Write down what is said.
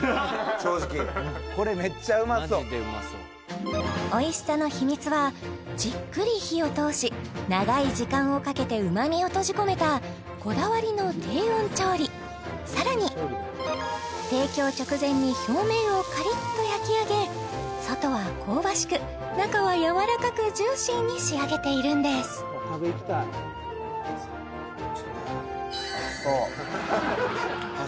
正直マジでうまそうおいしさの秘密はじっくり火を通し長い時間をかけてうまみを閉じ込めたこだわりの低温調理さらに外は香ばしく中はやわらかくジューシーに仕上げているんですあっ